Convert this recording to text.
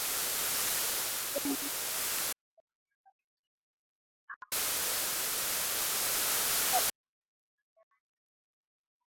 ujenzi wa amani kwa niaba ya Chifu au Mndewana mengineyo yanayorandana na hayo